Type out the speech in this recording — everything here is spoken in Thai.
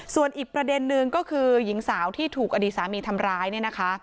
ส่วนอีกประเด็นนึงก็คือหญิงสาวที่ถูกอดีตสามีทำร้ายเนี่ยนะคะ